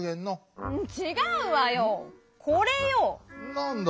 なんだ？